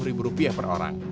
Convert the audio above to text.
lima puluh ribu rupiah per orang